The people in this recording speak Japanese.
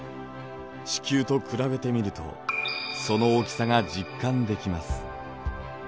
地球と比べてみるとその大きさが実感できます。